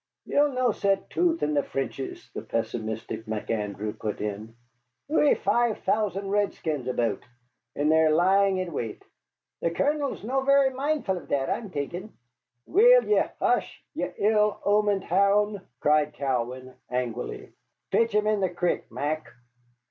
"You'll no set tooth in the Frenchies," the pessimistic McAndrew put in, "wi' five thousand redskins aboot, and they lying in wait. The Colonel's no vera mindful of that, I'm thinking." "Will ye hush, ye ill omened hound!" cried Cowan, angrily. "Pitch him in the crick, Mac!"